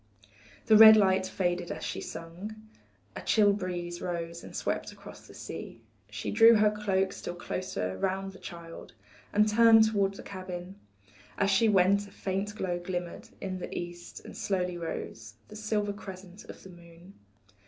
The red light faded as she sung, A chill breeze rose and swept across the sea, She drew her cloak still closer round the child, And turned toward the cabin; As she went a faint glow glimmered In the east, and slowly rose The silver crescent of the moon.